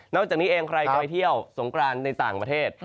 จากนี้เองใครจะไปเที่ยวสงกรานในต่างประเทศ